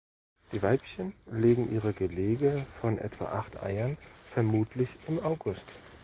Die Weibchen legen ihre Gelege von etwa acht Eiern vermutlich im August.